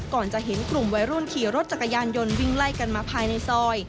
ก่อนจะเห็นกลุ่มวัยรุ่นขี่รถจักรยานยนต์วิ่งไล่กันมาภายในซอย